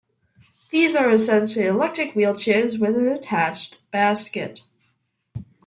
These are essentially electric wheelchairs with an attached basket.